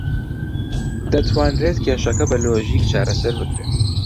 دەتوانرێت کێشەکە بە لۆژیک چارەسەر بکرێت.